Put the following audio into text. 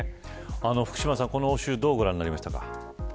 福島さん、この応酬どうご覧になりましたか。